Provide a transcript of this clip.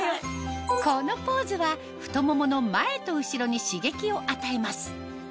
このポーズは太ももの前と後ろに刺激を与えます